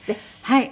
はい。